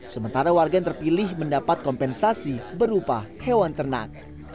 sementara warga yang terpilih mendapat kompensasi berupa hewan ternak